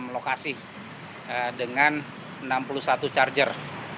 tiga puluh enam lokasi dengan enam puluh satu charger